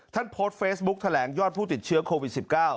ท่านโพสต์เฟซบุ๊กแถลงยอดผู้ติดเชื้อโควิด๑๙